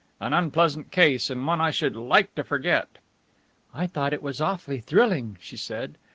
"An unpleasant case and one I should like to forget." "I thought it was awfully thrilling," she said.